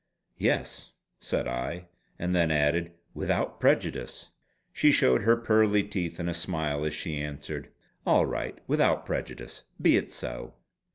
"Yes!" said I, and then added: "Without prejudice!" She showed her pearly teeth in a smile as she answered: "All right. Without prejudice! Be it so!"